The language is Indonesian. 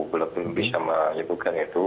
belum bisa menyatukan itu